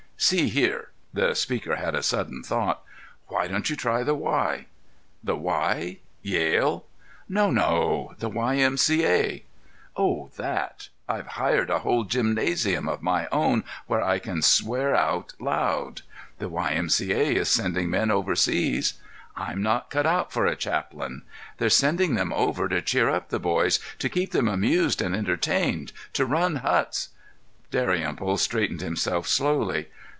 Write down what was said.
"See here—" The speaker had a sudden thought. "Why don't you try the Y?" "'The Y?' Yale?" "No, no. The Y. M. C. A." "Oh, that! I've hired a whole gymnasium of my own where I can swear out loud." "The Y. M. C. A. is sending men overseas." "I'm not cut out for a chaplain." "They're sending them over to cheer up the boys, to keep them amused and entertained, to run huts—" Dalrymple straightened himself slowly.